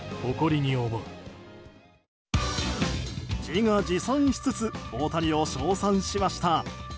自画自賛しつつ大谷を称賛しました。